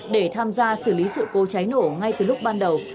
để tham gia xử lý sự cố cháy nổ ngay từ lúc ban đầu